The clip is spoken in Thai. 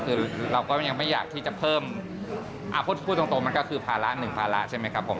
คือเราก็ยังไม่อยากที่จะเพิ่มพูดตรงมันก็คือภาระหนึ่งภาระใช่ไหมครับผม